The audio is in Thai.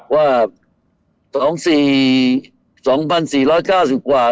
ว่า๒๔๒๔๙๐กว่า